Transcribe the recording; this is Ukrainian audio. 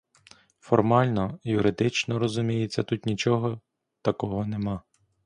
Формально, юридично, розуміється, тут нічого такого нема.